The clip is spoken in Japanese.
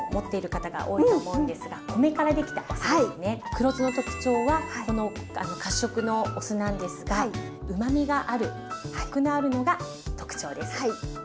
黒酢の特徴はこの褐色のお酢なんですがうまみがあるコクのあるのが特徴です。